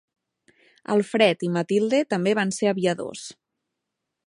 Alfred i Matilde també van ser aviadors.